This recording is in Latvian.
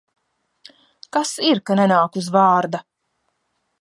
Kas ir, ka nenāk uz vārda?